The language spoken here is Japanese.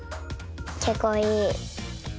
けっこういい。